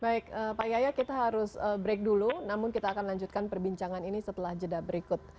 baik pak yaya kita harus break dulu namun kita akan lanjutkan perbincangan ini setelah jeda berikut